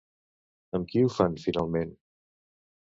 Amb qui ho fan finalment?